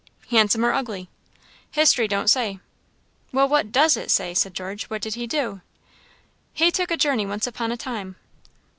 "Handsome or ugly?" "History don't say." "Well, what does it say?" said George "what did he do?" "He took a journey once upon a time."